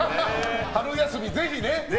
春休みぜひね。